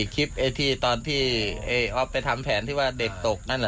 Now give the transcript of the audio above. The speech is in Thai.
คลิปไอ้ที่ตอนที่อ๊อฟไปทำแผนที่ว่าเด็กตกนั่น